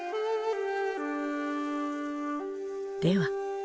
では